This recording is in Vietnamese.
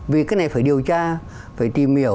vì cái này phải điều tra phải tìm hiểu